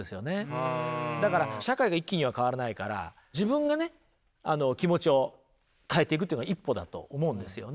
だから社会が一気には変わらないから自分がね気持ちを変えてくというのは一歩だと思うんですよね。